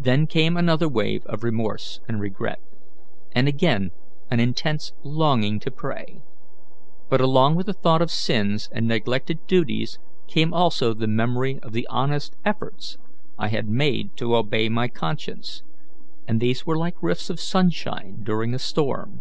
Then came another wave of remorse and regret, and again an intense longing to pray; but along with the thought of sins and neglected duties came also the memory of the honest efforts I had made to obey my conscience, and these were like rifts of sunshine during a storm.